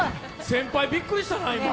先輩、びっくりしたな、今。